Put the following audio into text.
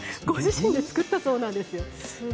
御自身で作ったそうなんですよ。